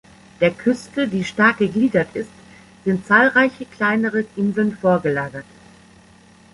Der Küste, die stark gegliedert ist, sind zahlreiche kleinere Inseln vorgelagert.